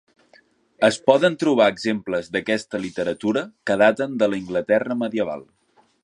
Es poden trobar exemples d'aquesta literatura que daten de l'Anglaterra medieval.